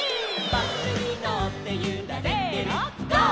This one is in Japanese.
「バスにのってゆられてるゴー！